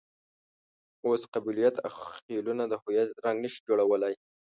اوس قبیلویت او خېلونه د هویت رنګ نه شي جوړولای.